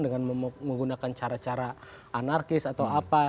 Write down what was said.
dengan menggunakan cara cara anarkis atau apa